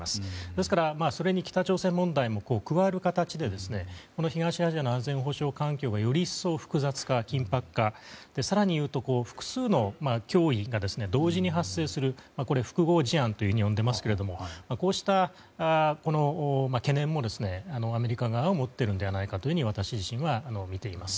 ですから、それに北朝鮮問題も加える形でこの東アジアの安全保障の環境がより一層複雑化緊迫化、さらにいうと複数の脅威が同時に発生するこれは複合事案と呼んでいますがこうした懸念もアメリカ側は持っているのではないかと私自身も見ています。